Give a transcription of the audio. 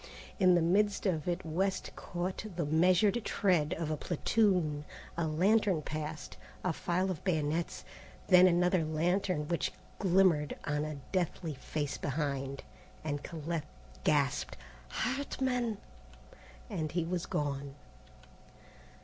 In the midst of it West caught the measured tread of a platoon. A lantern passed, a file of bayonets, then another lantern which glimmered on a deathly face behind, and Colette gasped, "Hartman!" and he was gone.